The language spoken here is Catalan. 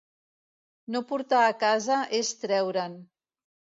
No portar a casa és treure'n.